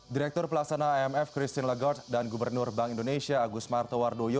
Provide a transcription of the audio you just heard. direktur pelaksana imf christine lagarde dan gubernur bank indonesia agus martowardoyo